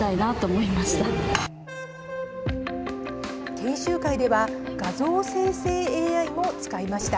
研修会では画像生成ＡＩも使いました。